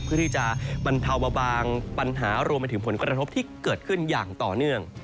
เพื่อที่จะบรรเทาเบาบางปัญหารวมไปถึงผลกระทบที่เกิดขึ้นอย่างต่อเนื่อง